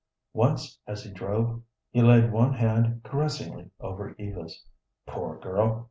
Once as he drove he laid one hand caressingly over Eva's. "Poor girl!"